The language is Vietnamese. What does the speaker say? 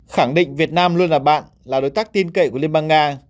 khẳng định việt nam luôn là bạn là đối tác tin cậy của liên bang nga